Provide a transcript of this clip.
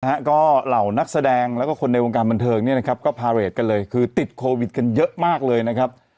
นะฮะก็เหล่านักแสดงแล้วก็คนในวงการบันเทิงเนี่ยนะครับก็พาเรทกันเลยคือติดโควิดกันเยอะมากเลยนะครับ